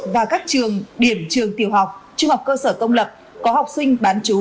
và các trường điểm trường tiểu học trung học cơ sở công lập có học sinh bán chú